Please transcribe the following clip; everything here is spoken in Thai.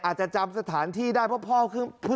อาจจะจำสถานที่ได้เพราะพ่อ